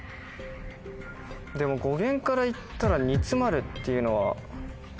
でも語源からいったら煮詰まるっていうのは。